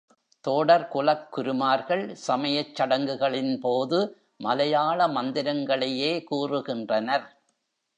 தோடர்குலக் குருமார்கள், சமயச் சடங்குகளின்போது, மலையாள மந்திரங்களையே கூறுகின்றனர்.